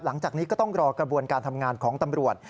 หลังจากนี้ก็ต้องรอกระบวนการทำงานของตำรวจ